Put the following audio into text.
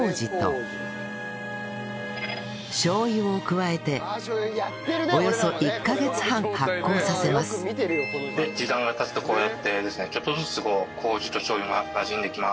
しょう油を加えておよそ１カ月半発酵させますで時間が経つとこうやってですねちょっとずつこう麹としょう油がなじんできます。